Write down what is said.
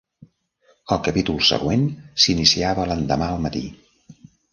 El capítol següent s'iniciava l'endemà al matí.